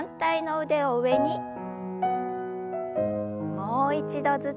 もう一度ずつ。